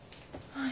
はい。